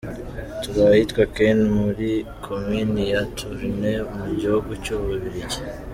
Turi ahitwa Kain muri komini ya Tournai mu gihugu cy’Ububiligi.